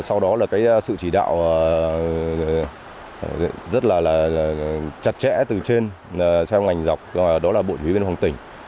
sau đó là sự chỉ đạo rất là chặt chẽ từ trên theo ngành dọc đó là bộ thủy viên hồng tỉnh